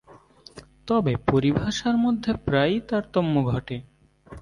তবে পরিভাষার মধ্যে প্রায়ই তারতম্য ঘটে।